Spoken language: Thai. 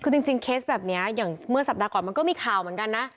คือจริงเคสแบบนี้อย่างเมื่อสัปดาห์ก่อนมันก็มีข่าวเหมือนกันนะ